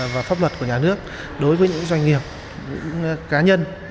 và pháp luật của nhà nước đối với những doanh nghiệp những cá nhân